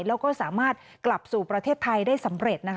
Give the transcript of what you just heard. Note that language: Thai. แล้วก็สามารถกลับสู่ประเทศไทยได้สำเร็จ